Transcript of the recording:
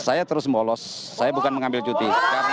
saya terus bolos saya bukan mengambil cuti